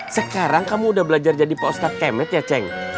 sekarang kamu sudah belajar jadi postat kemet ya ceng